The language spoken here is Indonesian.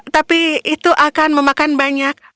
tapi itu akan memakan banyak